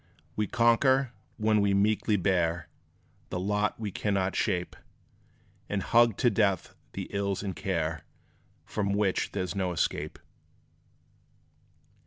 We conquer, when we meekly bear The lot we cannot shape, And hug to death the ills and care From which there 's no escape.